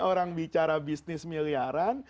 orang bicara bisnis miliaran